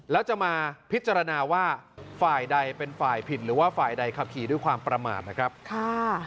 แล้วจะมาพิจารณาว่าฝ่ายใดเป็นฝ่ายผิดหรือว่าฝ่ายใดขับขี่ด้วยความประมาทนะครับค่ะ